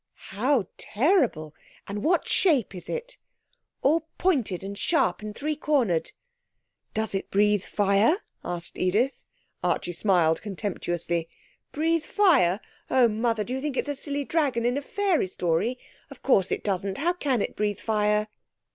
'How terrible!... And what shape is it?' 'All pointed and sharp, and three cornered.' 'Does it breathe fire?' asked Edith. Archie smiled contemptuously. 'Breathe fire! Oh, Mother! Do you think it's a silly dragon in a fairy story? Of course it doesn't. How can it breathe fire?'